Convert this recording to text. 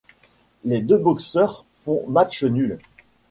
Les deux boxeurs font match nul.